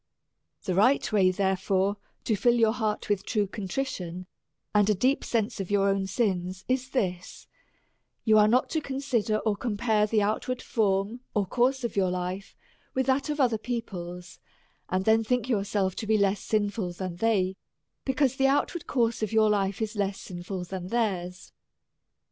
The right way therefore to fill your heart with true contrition, and a deep sense of your own sins, is this : You are not to consider, or compare the out ward form or course of your life with that of other peo ple's, and then think yourself to be less sinful than they, because the outward course of your life is less sinful than theirs.